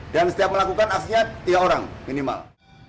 dan setiap melakukan aksinya tiga orang minimal